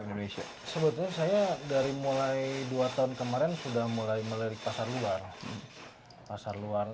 indonesia sebetulnya saya dari mulai dua tahun kemarin sudah mulai melirik pasar luar pasar luar